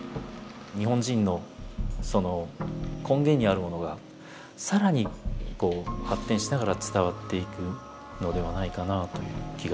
日本人の根源にあるものがさらに発展しながら伝わっていくのではないかなという気がいたします。